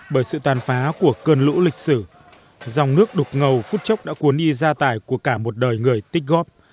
bởi sự tàn phá của cơn lũ lịch sử dòng nước đục ngầu phút chốc đã cuốn y ra tài của cả một đời người tích góp